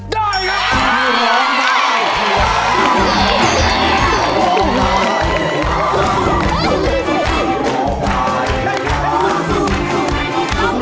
ได้ครับ